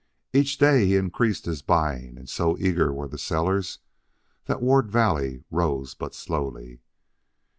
Each day he increased his buying, and so eager were the sellers that Ward Valley rose but slowly.